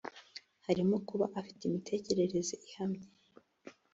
harimo kuba afite imitekerereze ihamye